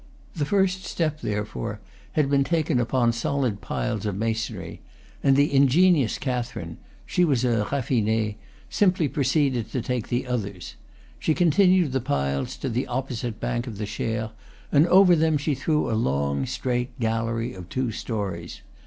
The first step, therefore, had been taken upon solid piles of masonry; and the ingenious Catherine she was a raffinee simply proceeded to take the others. She continued the piles to the op posite bank of the Cher, and over them she threw a long, straight gallery of two stories.